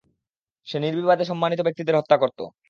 সে নির্বিবাদে সম্মানিত ব্যক্তিদের হত্যা করত।